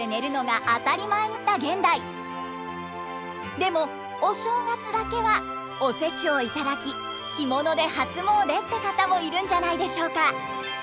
でもお正月だけはおせちを頂き着物で初詣って方もいるんじゃないでしょうか？